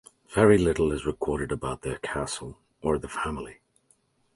Very little is recorded about their castle or the family.